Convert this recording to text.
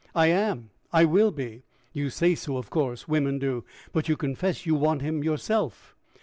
"I am. I will be." "You say so, of course. Women do. But you confess you want him yourself?"